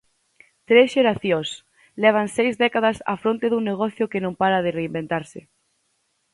Tres xeracións, leva seis décadas á fronte dun negocio que non para de reinventarse.